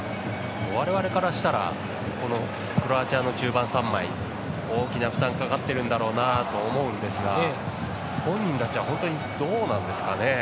我々からしたらクロアチアの中盤３枚大きな負担がかかってるんだろうなと思うんですが本人たちは本当にどうなんですかね。